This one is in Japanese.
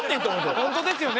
ホントですよね。